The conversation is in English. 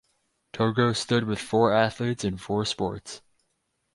Togo stood with four athletes in four sports.